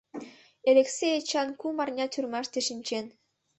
Элексей Эчан кум арня тюрьмаште шинчен.